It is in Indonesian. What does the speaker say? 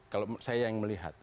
kalau saya yang melihat